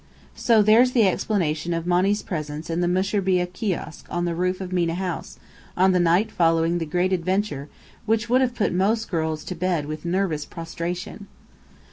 So there's the explanation of Monny's presence in the mushrbiyeh kiosk on the roof of Mena House, on the night following the great adventure, which would have put most girls to bed with nervous prostration!